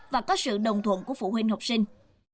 và có sự đồng thuận của phụ huynh học sinh